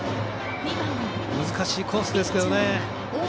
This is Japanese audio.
難しいコースですけどね。